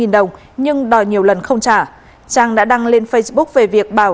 hình bóng cọ học trò năm xưa